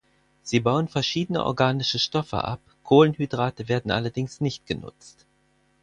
Sie bauen verschiedene organische Stoffe ab, Kohlenhydrate werden allerdings nicht genutzt.